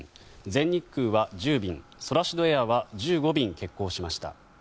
全日空は１０便ソラシドエアは１５便、欠航しました。